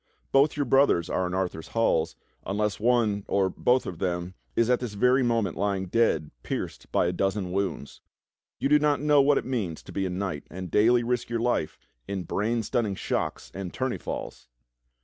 Both your brothers are in Arthur's halls, unless one, or both, of them is at this very moment lying dead pierced by a dozen wounds. You do not know wdiat it means to be a knight and daily risk your life in brain stunning shocks and tourney falls."